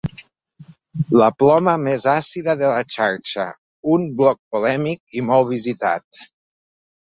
La ploma més àcida de la xarxa, un bloc polèmic i molt visitat.